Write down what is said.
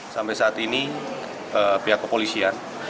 sampai saat ini pihak kepolisian